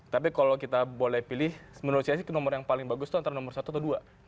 tapi kalau kita boleh pilih menurut saya sih nomor yang paling bagus itu antara nomor satu atau dua